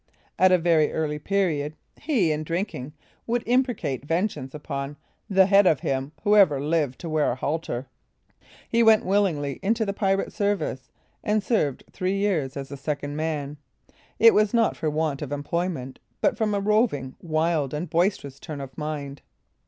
At a very early period, he, in drinking, would imprecate vengeance upon "the head of him who ever lived to wear a halter." He went willingly into the pirate service, and served three years as a second man. It was not for want of employment, but from a roving, wild, and boisterous turn of mind.